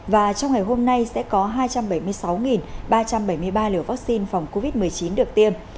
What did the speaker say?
và trong ngày hôm nay sẽ có hai trăm bảy mươi sáu ba trăm bảy mươi ba liều vaccine phòng covid một mươi chín được tiêm